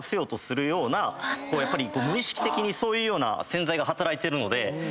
無意識的にそういうような潜在が働いているので。